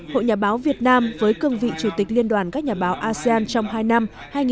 hội nhà báo việt nam với cương vị chủ tịch liên đoàn các nhà báo asean trong hai năm hai nghìn một mươi năm hai nghìn một mươi bảy